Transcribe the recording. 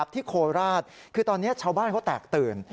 โคราชคือตอนนี้ชาวบ้านเขาแตกตื่น